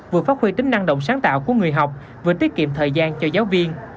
vừa phát huy tính năng động sáng tạo của người học vừa tiết kiệm thời gian cho giáo viên